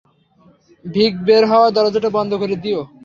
ভিক বের হওয়ার দরজাটা বন্ধ করে দিও।